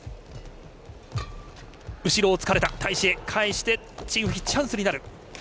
後ろをつかれたタイ・シエイ、返してチン・ウヒ、チャンスになる。